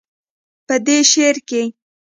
پۀ دې شعر کښې